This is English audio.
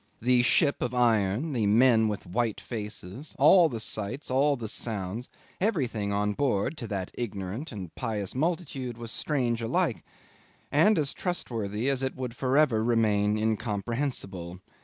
The ship of iron, the men with white faces, all the sights, all the sounds, everything on board to that ignorant and pious multitude was strange alike, and as trustworthy as it would for ever remain incomprehensible.